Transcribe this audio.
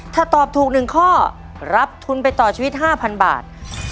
ถ้าตอบถูก๑ข้อรับทุนไปต่อชีวิต๕๐๐๐บาท